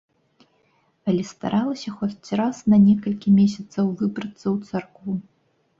Але старалася хоць раз на некалькі месяцаў выбрацца ў царкву.